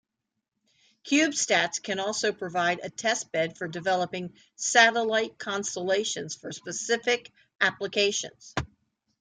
Cubesats can also provide a test bed for developing satellite constellations for specific applications.